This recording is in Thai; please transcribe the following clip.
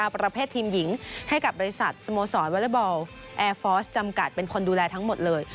ประเภททีมหญิงให้กับบริษัทสโมสรวอเล็กบอลแอร์ฟอร์สจำกัดเป็นคนดูแลทั้งหมดเลย